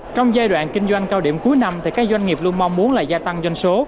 trong giai đoạn kinh doanh cao điểm cuối năm thì các doanh nghiệp luôn mong muốn là gia tăng doanh số